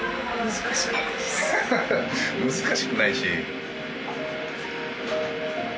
難しくないし。